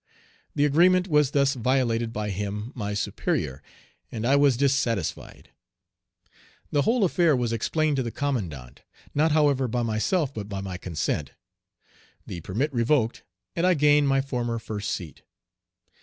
The agreement was thus violated by him, my superior (?), and I was dissatisfied. The whole affair was explained to the commandant, not, however, by myself, but by my consent, the permit revoked, and I gained my former first seat.